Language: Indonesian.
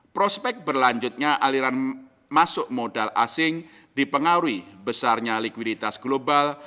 prospek berlanjutnya aliran masuk modal asing dipengaruhi besarnya likuiditas global